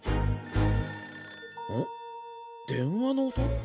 電話の音？